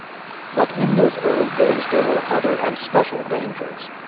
But in those early days there were other and special dangers.